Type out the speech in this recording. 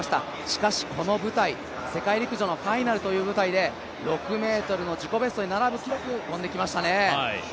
しかしこの舞台、世界陸上のファイナルという舞台で６ｍの自己ベストに並ぶ記録跳んできましたね。